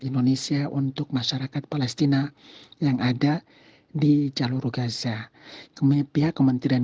indonesia untuk masyarakat palestina yang ada di jalur gaza kami pihak kementerian